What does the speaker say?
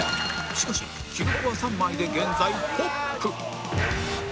しかし記録は３枚で現在トップ